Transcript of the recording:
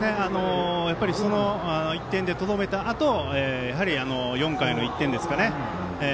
その１点でとどめたあと４回の１点ですかね